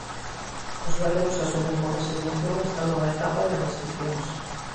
Os galegos asumen con resignación esta nova etapa de restricións.